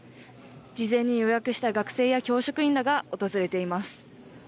事前に予約した学生や教職員らが訪れています。